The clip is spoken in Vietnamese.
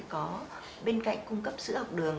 có bên cạnh cung cấp sữa học đường